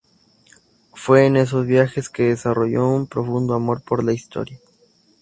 Fue en esos viajes que desarrolló un profundo amor por la historia.